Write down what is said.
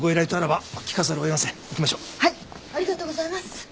ありがとうございます。